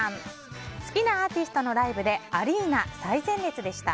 好きなアーティストのライブでアリーナ最前列でした。